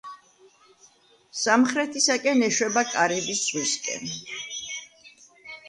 სამხრეთისაკენ ეშვება კარიბის ზღვისკენ.